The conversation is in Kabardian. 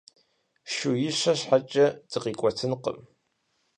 Шууищэ щхьэкӀэ дыкъикӀуэтынукъым.